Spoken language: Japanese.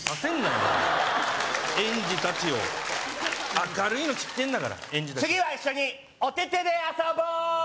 お前園児達を明るいの知ってんだから園児達は次は一緒におててで遊ぼう！